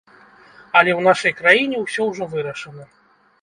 Але ў нашай краіне ўсё ўжо вырашана.